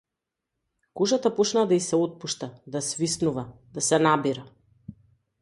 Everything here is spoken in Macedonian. Кожата почна да и се отпушта, да свиснува, да се набира.